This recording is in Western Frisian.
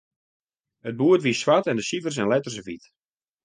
It boerd wie swart en de sifers en letters wyt.